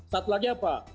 satu lagi apa